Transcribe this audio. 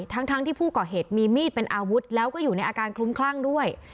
ทั้งที่ผู้ก่อเหตุมีมีดเป็นอาวุธแล้วก็อยู่ในอาการคลุ้มคลั่งด้วย